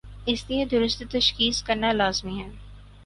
اس لئے درست تشخیص کرنالازمی ہے۔